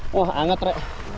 wah anget re